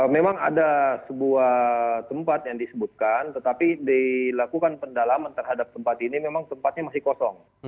memang ada sebuah tempat yang disebutkan tetapi dilakukan pendalaman terhadap tempat ini memang tempatnya masih kosong